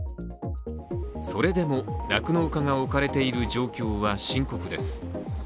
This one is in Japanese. それでも酪農家が置かれている状況は深刻です。